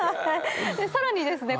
さらにですね